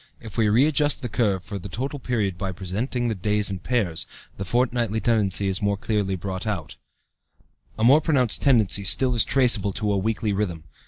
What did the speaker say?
If we readjust the curve for the total period by presenting the days in pairs, the fortnightly tendency is more clearly brought out (Chart I). A more pronounced tendency still is traceable to a weekly rhythm.